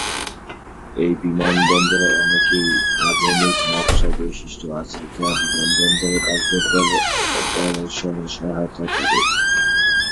এই বিমানবন্দরে অনেক আধুনিক নকশা বৈশিষ্ট্য আছে, যা বিমানবন্দর কার্যকর অপারেশনে সহায়তা করে।